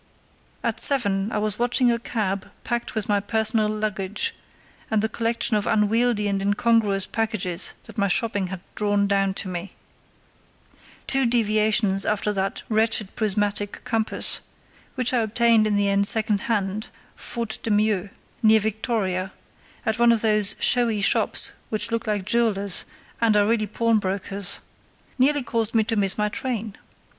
At seven I was watching a cab packed with my personal luggage and the collection of unwieldy and incongruous packages that my shopping had drawn down on me. Two deviations after that wretched prismatic compass—which I obtained in the end secondhand, faute de mieux, near Victoria, at one of those showy shops which look like jewellers' and are really pawnbrokers'—nearly caused me to miss my train.